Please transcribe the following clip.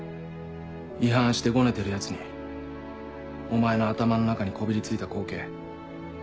違反してゴネてるヤツにお前の頭の中にこびり付いた光景。